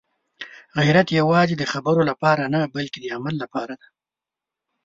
غیرت یوازې د خبرو لپاره نه، بلکې د عمل لپاره دی.